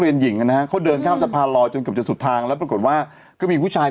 เรียนหยิงอันนะเขาเดินข้ามสะพาลลอยวนกำลังสุดทางรับบรรยุ่นว่าก็มีผู้ชาย